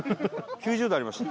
９０度ありました。